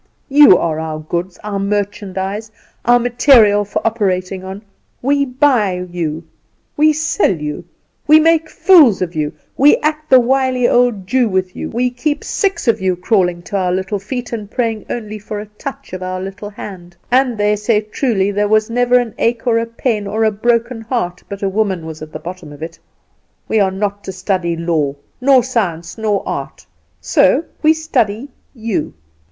You are our goods, our merchandise, our material for operating on; we buy you, we sell you, we make fools of you, we act the wily old Jew with you, we keep six of you crawling to our little feet, and praying only for a touch of our little hand; and they say truly, there was never an ache or pain or broken heart but a woman was at the bottom of it. We are not to study law, nor science, nor art, so we study you.